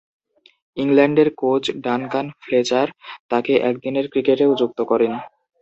ইংল্যান্ডের coach Duncan Fletcher তাকে একদিনের ক্রিকেটেও যুক্ত করেন।